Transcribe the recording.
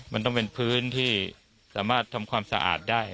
มันต้องเป็นพื้นที่สามารถทำความสะอาดได้